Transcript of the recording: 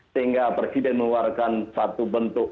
sehingga presiden mengeluarkan satu bentuk